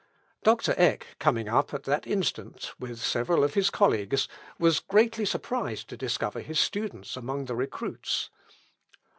Doctor Eck coming up at that instant with several of his colleagues, was greatly surprised to discover his student among the recruits.